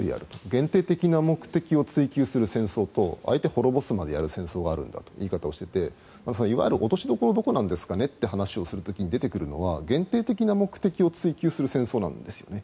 現実的な反対を求める戦争と相手を滅ぼすまでやる戦争があるんだという言い方をしていていわゆる落としどころはどこかという話をする時に限定的な目的を追求する戦争なんですね。